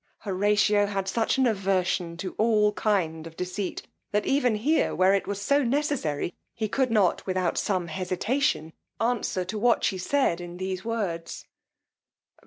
Horatio had such an aversion to all kind of deceit, that even here, where it was so necessary, he could not, without some hesitation, answer to what she said in these words.